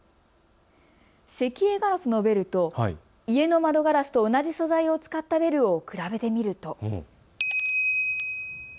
石英ガラスのベルと家の窓ガラスと同じ素材を使ったベルを比べてみると。